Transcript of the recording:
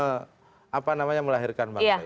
apa namanya melahirkan bangsa ini